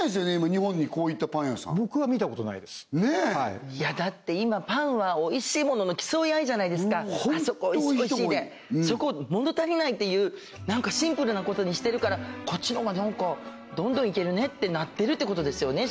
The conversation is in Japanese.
日本にこういったパン屋さん僕は見たことないですねえだって今パンはおいしいものの競い合いじゃないですかあそこおいしいおいしいでホントおいしいところ多いそこを物足りないっていう何かシンプルなことにしてるからこっちのほうがどんどんいけるねってなってるってことですよね